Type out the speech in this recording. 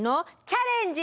「チャレンジ！」。